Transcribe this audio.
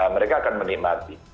mereka akan menikmati